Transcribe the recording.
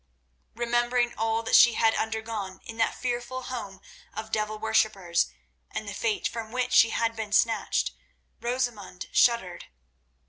Remembering all that she had undergone in that fearful home of devil worshippers, and the fate from which she had been snatched, Rosamund shuddered.